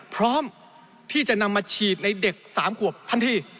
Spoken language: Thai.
พร้อมที่จะนำมาฉีดในเด็ก๓ขวบทันที